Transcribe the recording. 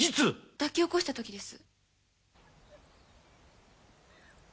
抱き起こしたときです。